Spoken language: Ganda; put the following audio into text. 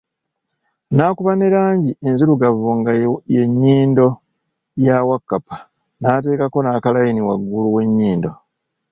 Naakuba ne langi enzirugavu nga ye nyindo ya Wakkapa naatekako naakalayini wagulu we nyindo.